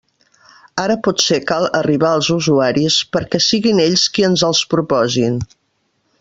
Ara potser cal arribar als usuaris, perquè siguin ells qui ens els proposin.